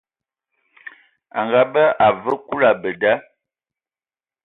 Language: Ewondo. A ngaabɛ, a vǝǝ Kulu abɛ da.